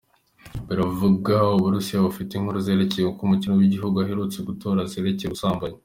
Bivugwa ko Uburusiya bufise inkuru zerekeye uwo mukuru w'igihugu aherutse gutorwa zerekeye ubusambanyi.